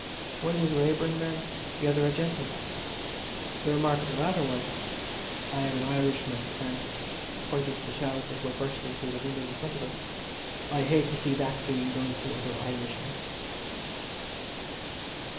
One was a labouring man, the other a gentleman. The remark of the latter was: "I am an Irishman, and (pointing to the shells that were bursting through the windows in front of us) I hate to see that being done to other Irishmen."